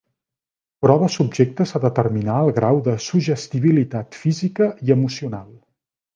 Proves subjectes a determinar el grau de suggestibilitat física i emocional.